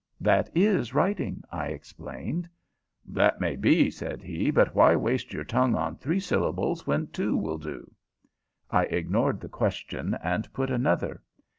"That is writing," I explained. "That may be," said he, "but why waste your tongue on three syllables when two will do?" I ignored the question and put another.